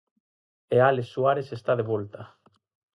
E Álex Suárez está de volta.